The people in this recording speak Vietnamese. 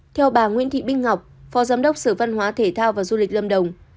theo bà nguyễn thị binh ngọc phó giám đốc sở văn hóa thể thao và du lịch lâm đồng